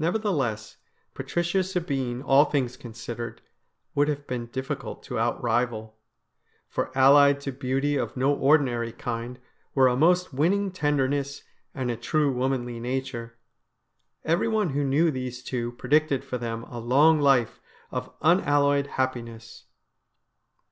Nevertheless, Patricia Sabine, all things considered, would have been difficult to outrival, for allied to beauty of no ordinary kind were a most winning tenderness and a true womanly nature. Everyone who knew these two predicted for them a long life of unalloyed happiness.